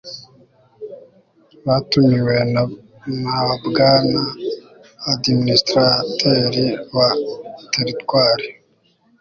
batumiwe na bwana administrateri wa teritwari